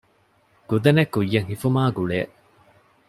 ގުދަނެއް ކުއްޔަށް ހިފުމާ ގުޅޭ